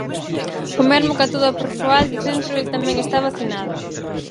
O mesmo ca todo o persoal de centro el tamén está vacinado.